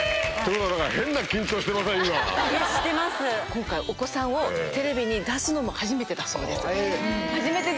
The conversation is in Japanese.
今回お子さんをテレビに出すのもはじめてだそうです。